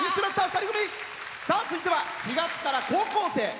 続いては４月から高校生。